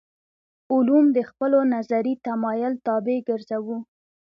علوم د خپلو نظري تمایل طابع ګرځوو.